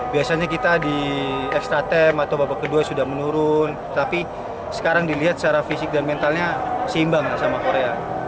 biasanya kita di extra time atau babak kedua sudah menurun tapi sekarang dilihat secara fisik dan mentalnya seimbang lah sama korea